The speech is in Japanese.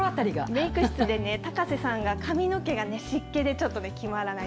メイク室で高瀬さんが髪の毛が湿気で決まらない。